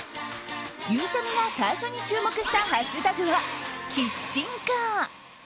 ゆうちゃみが最初に注目したハッシュタグは、キッチンカー。